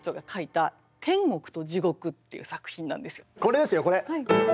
これですよこれ。